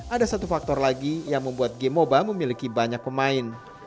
ada satu faktor lagi yang membuat game moba memiliki banyak pemain